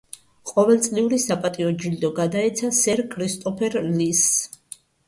ყოველწლიური საპატიო ჯილდო გადაეცა სერ კრისტოფერ ლის.